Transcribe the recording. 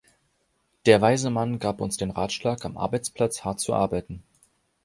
Der weise Mann gab uns den Ratschlag, am Arbeitsplatz hart zu arbeiten.